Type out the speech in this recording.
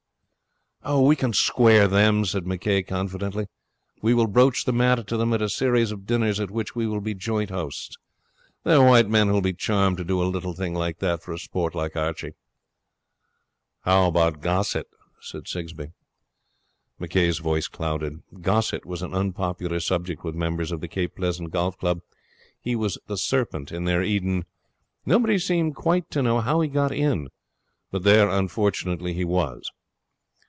'We can square them,' said McCay confidently. 'We will broach the matter to them at a series of dinners at which we will be joint hosts. They are white men who will be charmed to do a little thing like that for a sport like Archie.' 'How about Gossett?' said Sigsbee. McCay's face clouded. Gossett was an unpopular subject with members of the Cape Pleasant Golf Club. He was the serpent in their Eden. Nobody seemed quite to know how he had got in, but there, unfortunately, he was.